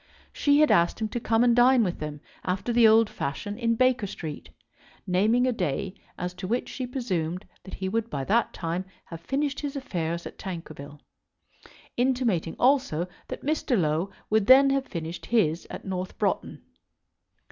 She had asked him to come and dine with them after the old fashion in Baker Street, naming a day as to which she presumed that he would by that time have finished his affairs at Tankerville, intimating also that Mr. Low would then have finished his at North Broughton.